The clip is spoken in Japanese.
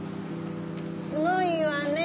すごいわね。